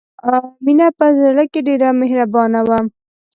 مینه په زړه کې ډېره مهربانه وه